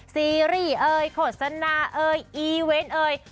ซีรีส์เอ่ยโฆษณาเอ่ยอีเวนต์เอ่ย